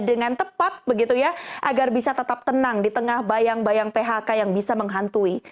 dengan tepat begitu ya agar bisa tetap tenang di tengah bayang bayang phk yang bisa menghantui